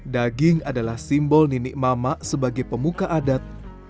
daging adalah simbol ninik mama sebagai pemuka adat